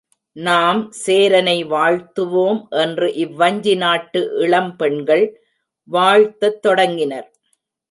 நாம் சேரனை வாழ்த்துவோம் என்று இவ்வஞ்சி நாட்டு இளம் பெண்கள் வாழ்த்தத் தொடங்கினர்.